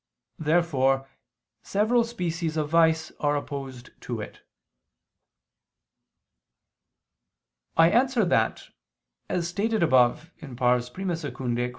Therefore several species of vice are opposed to it. I answer that, As stated above (I II, Q.